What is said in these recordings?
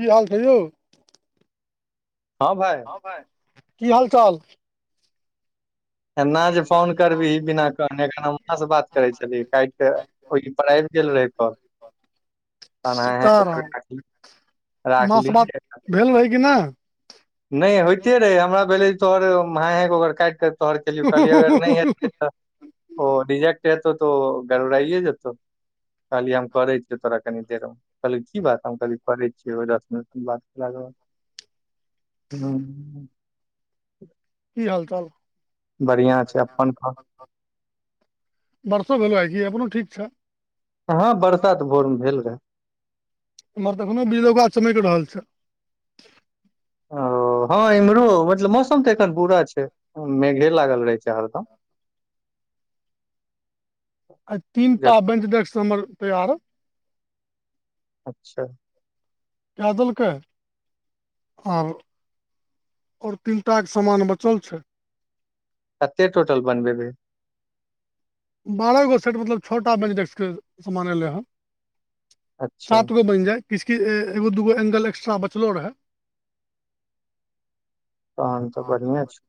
की हाल छै यौ हँ भाई की हाल चाल एना जे फोन करबही बिना कहने एखन हुनका से बात करै छलिय काटि क ओहि पर आबि गेल रहै तऽ त हाइं हाइं क ओकर सीताराम काटलीए माँ सँ बात राखलिए भेल रहै कि नहि नहि होइते रहै हमरा भेलै जे तोहर मह ओ काटि कऽ तोहर केलियौ कहलियै अगर नहि की हेतै तऽ ओ रिजेेक्ट हेतौ तऽ ओ गरबड़इए जेतौ कहली हम करे छीय तोरा कनि देर कहल की बात हम कहल करे छीयौ दस मिनट बाद हूँ की हाल चाल बढ़ियाँ छै अपन कहू बर्षो भेलो आइ कि अपनो ठीक छै हँ बरसा‌ तऽ भोर मे भेल रहे एमहर एखनो बीजलौका चमैकि रहल छै ओ हँ इम्हरो मतलब मौसम तऽ एखन बुरा छै मेघे लागल रहै छै हरदम [inaudible] आय तीन टा जक बेंच डेक्स हमर तैयार अच्छा के देलकै आओर और तीनटा के सामान बचल छै कते टोटल बनबेबै बारहगो सेट मतलब छओटा बेंच डेस्कके सामान एलै हन अच्छा सात गो बनि जाय किस कि एगो दूगो एंगल एक्स्ट्रा बचलो रहे तन तऽ बढ़िआँ छै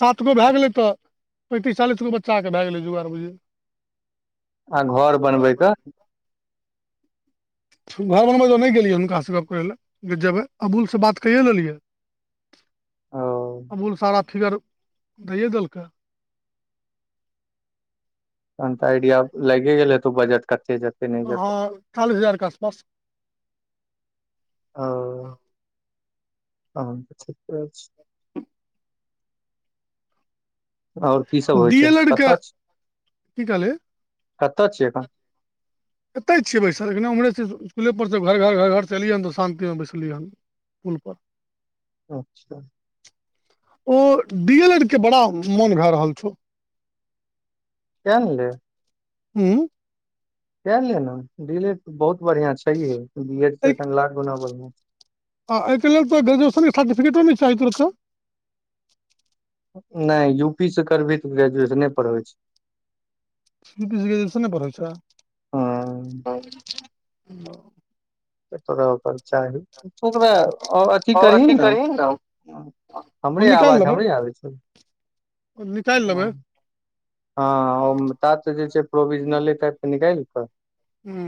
सात गो भए गेलै तऽ पैंतीस चालीस गो बच्चाकेँ भए गेलै जुगाड़ बुझलियै आ घर बनबैके घर बनबै ज नहि गेलियै हुनकासँ गप करै लए जे जेबै अबूलसँ बात कैए लेलियै ओ अबूल सारा फिगर दऽ देलकै तहन तऽ आइडिया लागि गेल हे तू बजट कते जेत हाँ चालीस हजार के आसपास ओ तहन तऽ ठिके छै [inaudible] आओर कीसभ होइ डी छै एल एड के कतय की कलहि एखन एतहि छियै बैसल एखने ओम्हे छैसकुलपर सभ घर घर अलियै ह तऽ शान्तिमे बैसलियैन पुल पर अच्छा ओ डी एल एड के बड़ा मोन भए रहल छौ कए ने लए। उंम्म कए लेना डी एड बहुत बढ़ियाँ छैहे बी एड एखन लाख गुना बढ़ियाँ आ एहिके लेल त ग्रजुएशनके सर्टिफिकटो नहि चाही तरफसँ नहि यू पी से करबही तऽ ग्रेजुएशन पर होइ छै यू पी मे ग्रेजुएशने पर हँ होइ छै तोरा ओकर चाहीकर [unintelligible] ठिक करही ने हम हमरे निकालि आवाज लेबै हमरे आबै छै निकालि लेबै हँ त तऽ जे छै प्रोविजनले टाइप के निकालिकै हूँ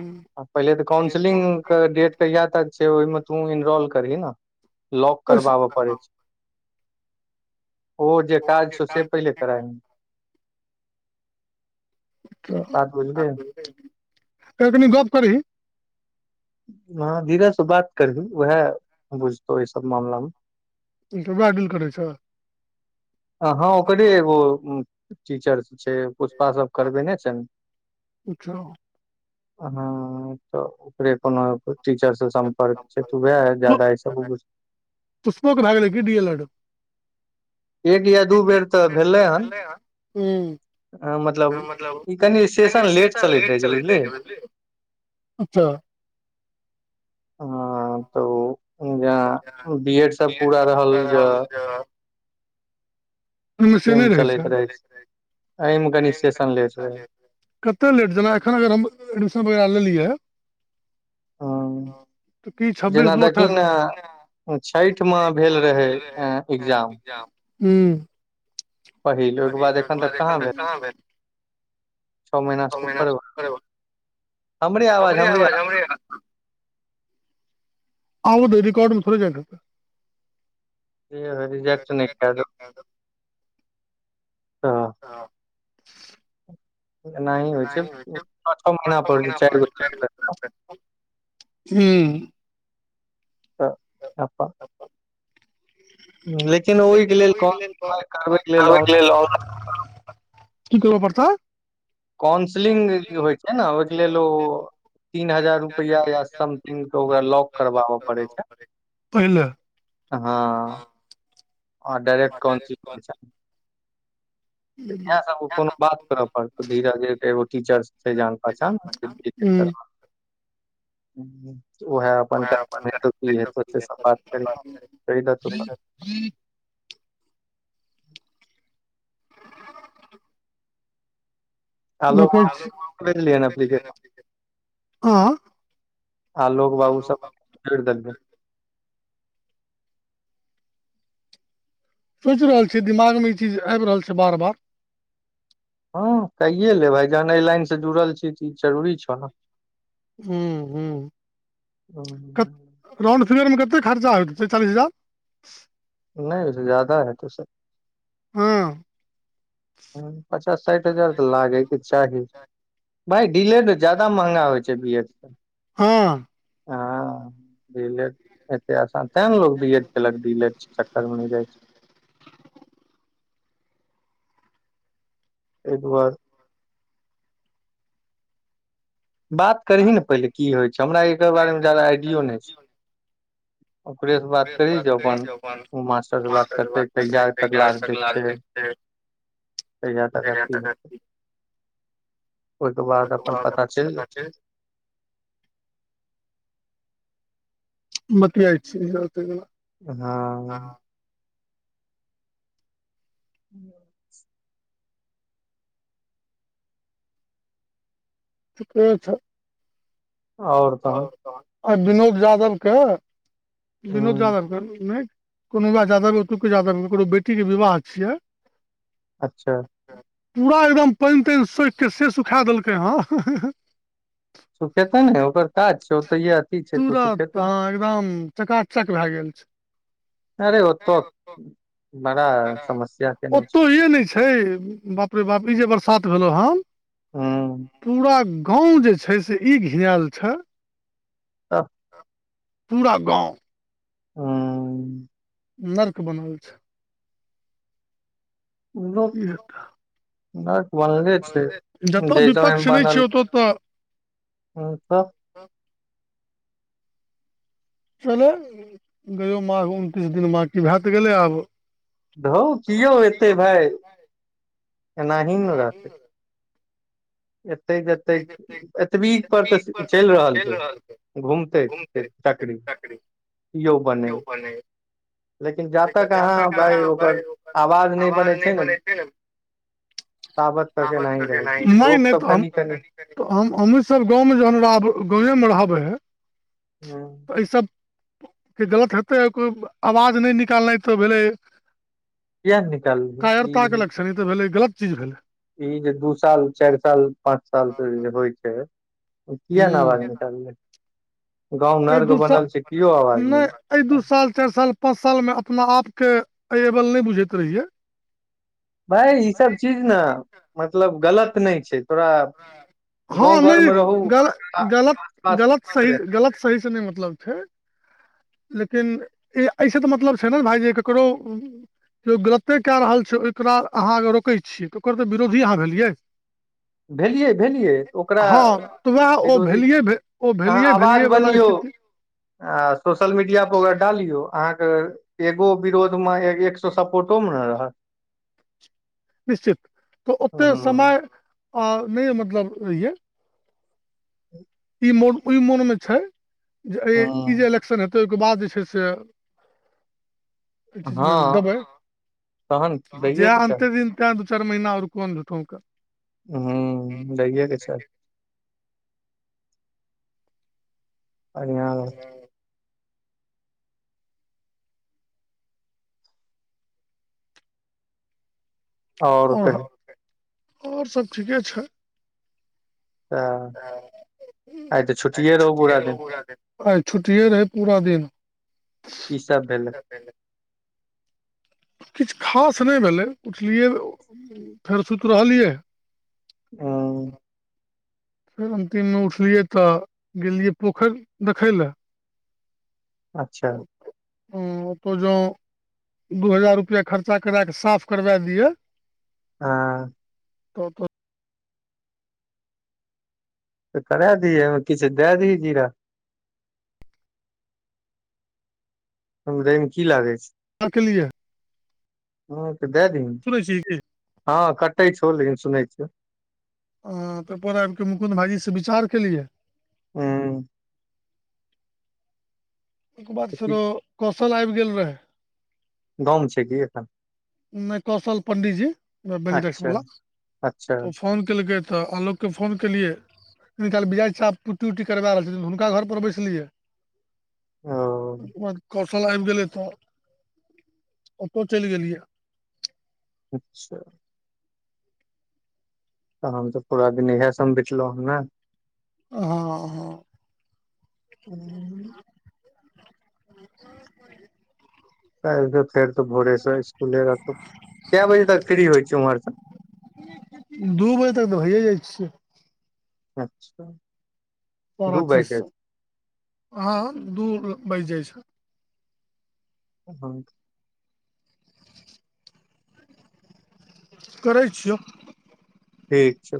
पहिले तऽ काउंसलिंग के डेट कहिया तक छै ओहिमे तू इनरोल करही ने लॉक ओहिसँ करबाबऽ पड़ै छै ओ जे काज छौ से पहिले कराही बात बुझलियै तऽ तनि गप करी हँ धीरज से बात करबी उएह बुझतौ ई सब मामला मे तऽ वएह डील करै छौ हँ ओकरे एगो टीचर छै पुष्पा सब करबे नहि छनि अच्छा हँ तऽ ओकरे कोनो टीचर से सम्पर्क छै तऽ वएह पु- जादा ई सब पुष्पोके भए गेलै कि डी एल एड एक या दू बेर तऽ भेलै हन हूँ मतलब ई कनि सेशन लेट चलैत रहै छै बुझलिही अच्छा हँ तऽ ह इह सब पूरा रहल जे सेम नहि रहै चलैत रहे छै अइ मे कनी सेशन लेट रहै कतेक लेट जेना एखन अगर हम एडमिशन वगैरह लेलियै हँ तऽ की छब्बीस जेना दू देखी अट्ठाइस ने छठि म भेल रहै एग्जाम हूं पहिल ओइके बाद एखन तक कहाँ भेल छौ महिना से उपर भऽ हमरे अवाज हमरे आउ दै रिकॉर्ड मे थोड़े जाइत हेतै ई भाइ रीजेक्ट नहि के दौ दौ हँ [inaudible] एनाहि गो हूँ तऽ अपन [inaudible] लेकिन लेल करबैके ऑनलाइन लेल की करबऽ पड़त [unintelligible] काउन्सलिंग होइ छै ने ओइके लेल ओ तीन हजार रुपैया समथिंग के ओकरा लॉक करबाबऽ पड़ै छै पहिले हँ और डायरेक्ट काॅउंसलिंग होगा छै इएह सब कोनो बात करऽ पड़त धीरज के एगो टीचर छै जान पहचान हूँ हूंम्म उहे अपन कांहा हेतौ कि हेतौ से सब बात कहिए देतौ आलोक देखैछी बाबू भेजलियनि एप्लीकेशन आँय करि देलिअइ सोचि रहल छियै दिमागमे ई चीज आबि रहल छै बार बार हँ कैये लेब जहन अइ लाइन से जुड़ल छी तऽ ई जरूरी छौ नऽ हूंम्म हूँ कत हम्म, राउण्ड फिगरमे कते खर्चा होइत हेतै चालीस हजार नइ ओेइ से जादा हेतैऽ से हँ हूंम्म पचास साठि हजार तऽ लागैके चाही भाइ डी एल एड जादा महँंगा होइ छै बी एड से हँ हँ डी एल एड ओते आसान तें नऽ लोक बी एड केलक डी एल एड के चक्कर मे नई रहै छै तैं के बाद बात करहि न पहिले की होइ छै हमरा एकर बारे मे जादा आइडियो नइ छै ओकरे से त करही बात जे क जा अपन ओ मास्टर से बात करते कर कहिया तक लास्ट स डेट छै [unintelligible] फेर कहिया तक आ कि हेतै ओइके बाद अपन पता चलि जेतै बतिआइछी रात तकला हँ ह [inaudible] ठीके छौ आओर तहन आ बनोद यादवके बनोद ह यादवके नहि कोनो विवाह जादब ओतुका जादव ओकरो बेटी के विवाह छियै अच्छा पूरा एकदम पानि तानि सोखिक से सुखा देलकै हँ सुखेतै ने ओकर काज छै ओतऽ या अथि छै त तुरत सुखेतै हँ एकदम चकाचक भए गेल छै अरे ओतऽ बड़ा समस्या केने ओत्त छै ये नहि छै बाप रे बाप ई जे बरसात भेल हँ हँ पूरा गाँव जे छै से ई घिनाएल छै तऽ पूरा गाँव ओ नर्क बनल छै लोक इ हेताऽ नर्क बनले छै जतऽ जै विपक्ष टाइममे नहि बनल छै ओतऽ तऽ हँ तऽ चल‌ गयो माह उनतीस दिन बांकी भै तऽ गेलै आब धौ किओ एते भाय एनाही ने रहतै एते जते एतबी पर तऽ चलि रहल छै घूमतै फेर चकरी कियो बने लेकिन जा तक अहाँ भाय ओकर आवाज नहि बनै छै ने ताबत तक एनाहि रहै छै नहि लोक नहि सब तऽ हम कनि कनि हम हमहीँ सब गाँवमे जहन रहब गांवे मे रहबै हँ एहि सब के गलत हेतै कोइ आवाज नहि निकालनाइ तऽ भेलै किया नै निकालबै ई तखन इ तऽ भेलै गलत चीज भेलै ई जे दू साल चारि साल पांच साल से जे होइ छै किया नहि हुँ आवाज निकलले गाँंव एहि नर्क दू साल बनल छै कियो आवाज नहि नै एहि दू साल चारि साल पाँच साल मे अपना आप के अइ एवल नहि बुझैत रहिये भाय ई सब चीज नऽ मतलब गलत नहि छै तोरा हँ गाँव घर मे नहि रहू गल गलत गलत सही गलत सहीसँ नहि मतलब छै लेकिन एहिस तऽ मतलब छै ने भाइ जे ककरो केओ गलते कए रहल छै ओकरा अहाँ रोकै छियै तऽ ओकर तऽ विरोधी अहाँ भेलियै भेलियै भेलियै तऽ ओकरा हँ तऽ उएह ओ विरोधीस भेलियै ओ अहाँ भेलियै आवाज भेलियै वला बनियौ स्थिति आ सोशल मीडिया पर ओकरा डालियौ अहाँके एगो विरोधमे ए एक सौ सपोर्टो मे नऽ रहत निश्चित तऽ ओते हूँ समय अ नहि मतलब रहियै [inaudible] मोन ओहि मोनमे छै जे अइ ई हूँ जे इलेक्शन हेतै ओहिके बाद जे छै से अइ चिज मे हँ देबै तहन दैये जै के चाही अन्ते दिन तै दू चार महीना और कोन झूठोंका हँ दैेयेके चाहि बढ़िया रहत हँ आओर और ह कही और सब ठीके छै स‌एह आइ तऽ छुट्टिये रहू पूरा दिन आइ छुट्टीेये रहै पूरा दिन की सब भेलै [inaudible] किछु खास नहि भेलै उठलियै फेर सुति रहलियै उंम्म फेर अन्तिममे उठलियै तऽ गेलियए पोखरि देखै लए अच्छा [inaudible] दू हजार रुपआ खर्चा करा क साफ करवा दियए आ त तऽ तऽ करय दिय अइमे किछु दए दियै जीरा [unintelligible] कि लागय साफ केलियै छय [inaudible] दय दिही सुनै छी की हँ कटै छौ लेकिन सुनै छियौ हं ओत्तपर आबिके मुकुंद भाईजी से विचार केलिये उ्म ओयके बाद फेरो कौशल आबि गेल रहै गांव मे छै कि एखन नहि कौशल पंडीजी बेनीडेक्स अच्छा बला अच्छा फोन केलकै तऽ आलोक के फोन केलियै कनि कालहि बिजय चा पुट्टी उट्टी करबाए रहल छथिन हुनका घर बैसलियै ओ बाद कौशल आबि गेलै तऽ ओतहु चलि गेलियै अच्छा तऽ हमसभ पूरा दिन इह सब बितलहु हन ने हँ हँ ह्म [inaudible] काल्हि त फेर तो भोरे स स्कुले रहतौ कए बजे तक फ्री होइ छै उम्हर स दू बजे तक तऽ भइए जाइ छियै अच्छा सारा दू बाजि जाइ चीजसँ हँ दू बाजि जाइ छै हँ करै छियौ ठीक छै